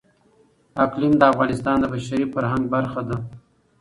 اقلیم د افغانستان د بشري فرهنګ برخه ده.